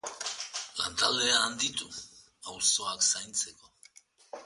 Lantaldea handitu, auzoak zaintzeko.